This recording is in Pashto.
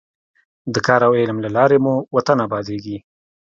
د کار او علم له لارې مو وطن ابادېږي.